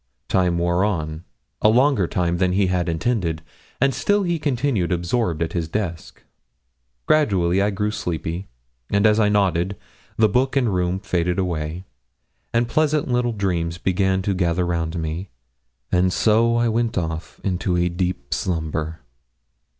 Time wore on a longer time than he had intended, and still he continued absorbed at his desk. Gradually I grew sleepy, and as I nodded, the book and room faded away, and pleasant little dreams began to gather round me, and so I went off into a deep slumber.